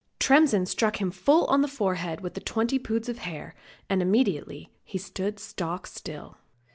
Tremsin struck him full on the forehead with the twenty poods of hair, and immediately he stood stock still.